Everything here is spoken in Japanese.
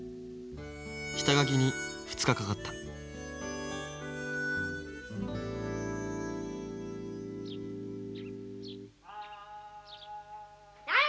下書きに２日かかった・あさり！